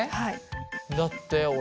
だって俺。